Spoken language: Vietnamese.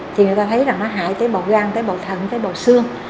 thì người ta thấy rằng nó hại tới bầu gan tới bầu thận tới bầu xương